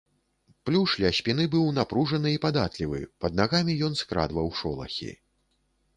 Плюш ля спіны быў напружаны і падатлівы, пад нагамі ён скрадваў шолахі.